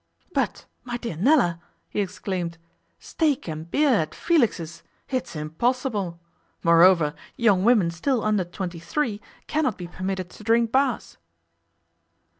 'But my dear Nella,' he exclaimed, 'steak and beer at Felix's! It's impossible! Moreover, young women still under twenty three cannot be permitted to drink Bass.